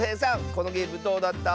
このゲームどうだった？